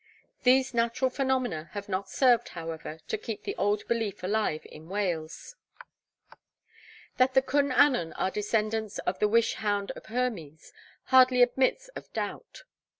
These natural phenomena have not served, however, to keep the old belief alive in Wales. That the Cwn Annwn are descendants of the wish hound of Hermes, hardly admits of doubt.